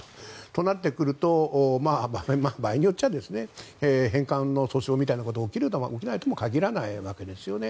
となってくると場合によっては返還の訴訟みたいなことが起きないとも限らないわけですね。